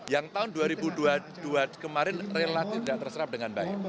yang tahun dua ribu dua puluh dua kemarin relatif tidak terserap dengan baik